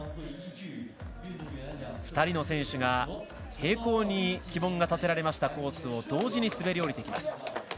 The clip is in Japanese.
２人の選手が平行に旗門が立てられましたコースを同時に滑り降りてきます。